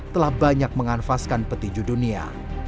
telah banyak menganfaskan peti ju dunia